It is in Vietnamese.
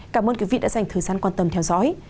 cảm ơn quý vị đã dành thời gian quan tâm theo dõi